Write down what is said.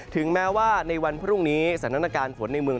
ถึงแม้ว่าในวันพรุ่งนี้สถานการณ์ฝนในเมือง